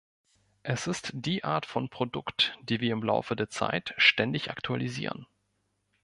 Es ist die Art von Produkt, die wir im Laufe der Zeit ständig aktualisieren.